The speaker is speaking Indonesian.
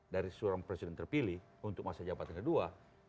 dari seorang presiden terpilih untuk masa jabatan kedua